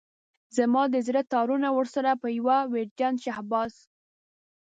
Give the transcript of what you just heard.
زما د زړه تارونه ورسره په يوه ويرجن شهباز.